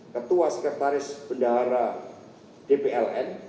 ketua sekretaris bendahara dpln